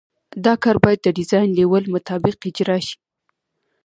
دا کار باید د ډیزاین لیول مطابق اجرا شي